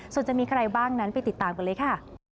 ส่วนจะมีใครบ้างนั้นไปติดตามกันเลยค่ะ